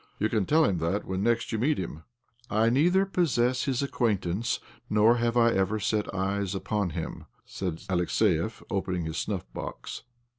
You can tell him that when next you meet him." " I neither possess his acquaintance nor have ever set eyes upon him," said Alexiev, opening his snuffbox.